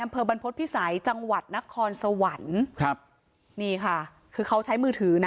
อำเภอบรรพฤษภิษัยจังหวัดนครสวรรค์ครับนี่ค่ะคือเขาใช้มือถือนะ